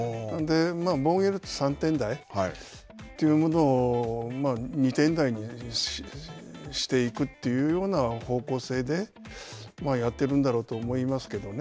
防御率３点台というものを２点台にしていくというような方向性でやってるんだろうと思いますけどね。